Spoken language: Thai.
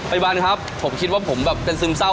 วันครับผมคิดว่าผมแบบเป็นซึมเศร้า